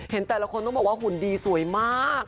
เห็นแต่ละคนต้องบอกว่าหุ่นดีสวยมาก